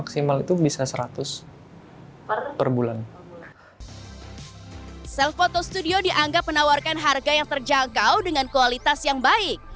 sel foto studio dianggap menawarkan harga yang terjangkau dengan kualitas yang baik